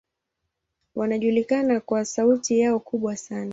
Wanajulikana kwa sauti yao kubwa sana.